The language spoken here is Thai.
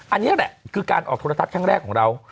อันนี้แหละคือการออกโทรทัศน์ครั้งแรกของเรา